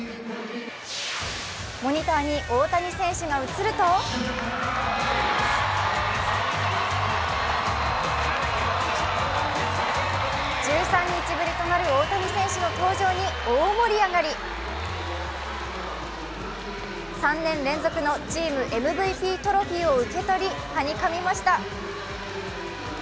モニターに大谷選手が映ると１３日ぶりとなる大谷選手の登場に大盛り上がり３年連続のチームＭＶＰトロフィーを受け取り、はにかみました。